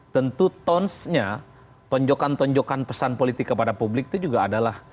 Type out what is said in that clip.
tentu tonsnya tonjokan tonjokan pesan politik kepada publik itu juga adalah